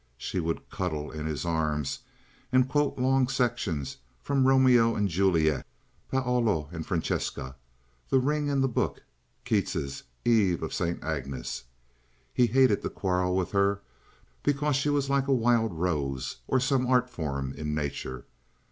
She would cuddle in his arms and quote long sections from "Romeo and Juliet," "Paolo and Francesca," "The Ring and the Book," Keats's "Eve of St. Agnes." He hated to quarrel with her, because she was like a wild rose or some art form in nature.